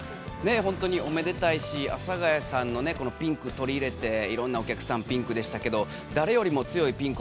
◆本当におめでたいし、阿佐ヶ谷さんのピンク取り入れていろんなお客さん、ピンクでしたけど、誰よりも強いピンクを